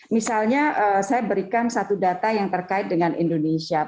misalnya saya berikan satu data yang terkait dengan indonesia